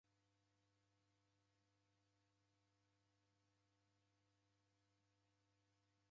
Mayo udakukimbiria kabusa mzinyi.